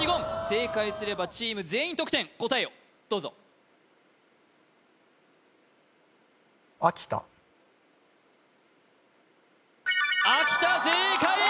正解すればチーム全員得点答えをどうぞ秋田正解！